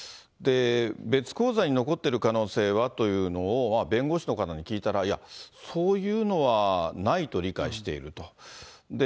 別口座に残っている可能性はっていうのを弁護士の方に聞いたら、いや、そういうのはないと理解していると。